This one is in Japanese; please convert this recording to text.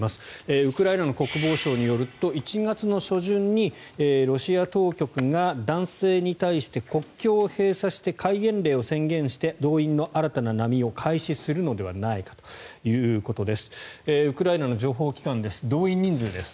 ウクライナの国防相によりますと１月初旬にロシア当局が男性に対して国境を閉鎖して戒厳令を宣言して動員の新たな波を開始するのではないかということです。